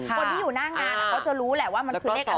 คนที่อยู่หน้างานเขาจะรู้แหละว่ามันคือเลขอะไร